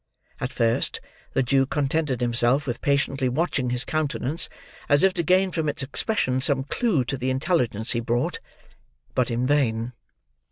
At first, the Jew contented himself with patiently watching his countenance, as if to gain from its expression some clue to the intelligence he brought; but in vain.